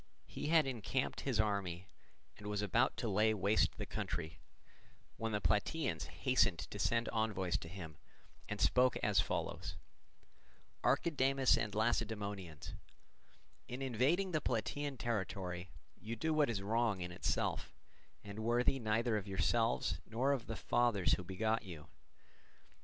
He had encamped his army and was about to lay waste the country, when the Plataeans hastened to send envoys to him, and spoke as follows: "Archidamus and Lacedaemonians, in invading the Plataean territory, you do what is wrong in itself, and worthy neither of yourselves nor of the fathers who begot you.